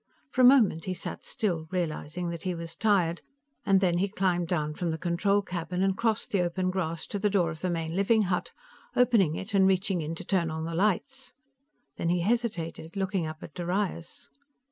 For a moment he sat still, realizing that he was tired, and then he climbed down from the control cabin and crossed the open grass to the door of the main living hut, opening it and reaching in to turn on the lights. Then he hesitated, looking up at Darius.